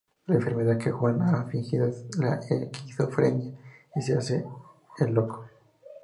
La enfermedad que Juan ha fingido es la esquizofrenia y se hace el loco.